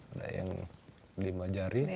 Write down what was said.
ada yang lima jari